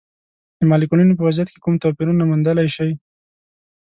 د مالیکولونو په وضعیت کې کوم توپیرونه موندلی شئ؟